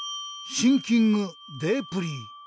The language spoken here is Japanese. シンキングデープリー。